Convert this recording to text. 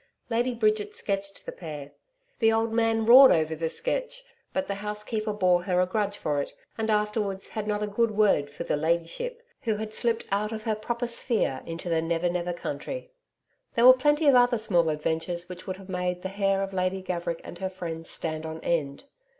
Lady Bridget sketched the pair. The old man roared over the sketch, but the housekeeper bore her a grudge for it, and afterwards had not a good word for the 'Ladyship' who had slipped out of her proper sphere into the Never Never country. There were plenty of other small adventures which would have made the hair of Lady Gaverick and her friends stand on end.